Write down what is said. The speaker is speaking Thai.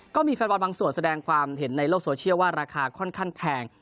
ก็มีแฟนบอลบางส่วนแสดงความเห็นในโลกโซเชียลว่าราคาค่อนข้างแพง